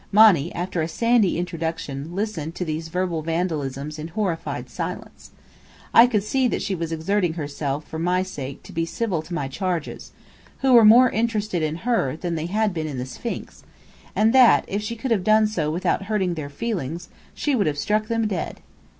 Monny (after a sandy introduction) listened to these verbal vandalisms in horrified silence. I could see that she was exerting herself, for my sake, to be civil to my charges (who were more interested in her than they had been in the Sphinx), and that, if she could have done so without hurting their feelings, she would have struck them dead.